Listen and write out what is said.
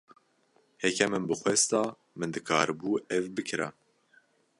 Heke min bixwasta min dikaribû ev bikira.